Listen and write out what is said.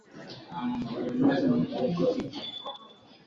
Kampala inasafirisha kwenda Kongo bidhaa za thamani ya dola milioni sabini na nne